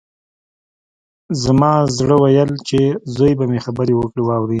زما زړه ويل چې زوی به مې خبرې واوري.